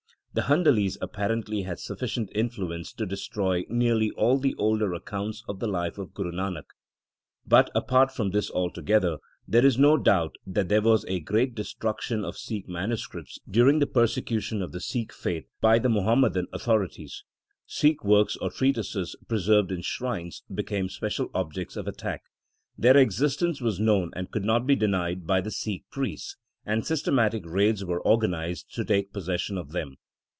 The Handalis appar ently had sufficient influence to destroy nearly all the older accounts of the life of Guru Nanak. But, apart from this altogether, there is no doubt that there was a great destruction of Sikh manuscripts during the persecution of the Sikh faith by the Muhammadan authori ties. Sikh works or treatises preserved in shrines became special objects of attack. Their existence was known and could not be denied by the Sikh priests, and systematic raids were organized to take possession of them.